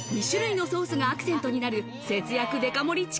２種類のソースがアクセントになる節約デカ盛り